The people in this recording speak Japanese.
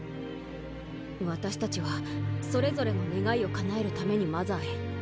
私たちはそれぞれの願いを叶えるためにマザーへ。